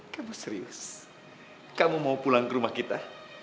kamu serius kamu mau pulang ke rumah kita